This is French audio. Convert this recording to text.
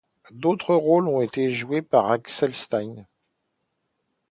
D'autres rôles ont été joués par Axel Stein.